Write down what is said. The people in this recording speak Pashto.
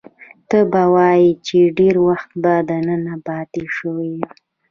ته به وایې چې ډېر وخت به دننه پاتې شوی یم.